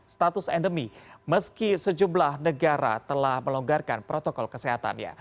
status endemi meski sejumlah negara telah melonggarkan protokol kesehatannya